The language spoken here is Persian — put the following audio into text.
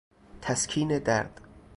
تسکین درد